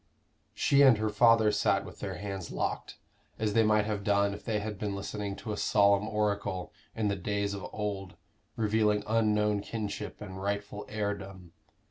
She and her father sat with their hands locked, as they might have done if they had been listening to a solemn oracle in the days of old revealing unknown kinship and rightful heirdom.